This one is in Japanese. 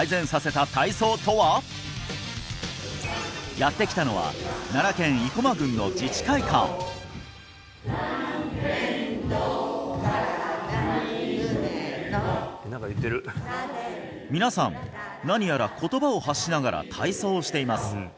やって来たのは奈良県生駒郡の自治会館南円堂からナニヌネノ皆さん何やら言葉を発しながら体操をしています